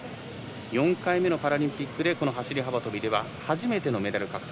４回目のパラリンピックで走り幅跳びでは初めてのメダル獲得。